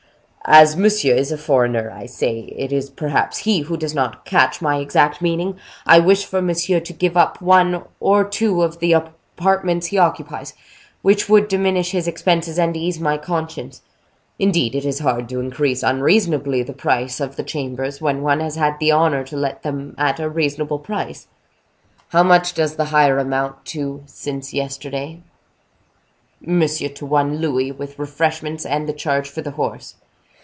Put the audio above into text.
"As monsieur is a foreigner, I say, it is perhaps he who does not catch my exact meaning. I wish for monsieur to give up one or two of the apartments he occupies, which would diminish his expenses and ease my conscience. Indeed, it is hard to increase unreasonably the price of the chambers, when one has had the honor to let them at a reasonable price." "How much does the hire amount to since yesterday?" "Monsieur, to one louis, with refreshments and the charge for the horse."